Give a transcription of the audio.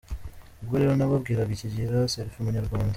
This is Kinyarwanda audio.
Ubwo rero nababwira iki, Gira selfie munyarwanda!!.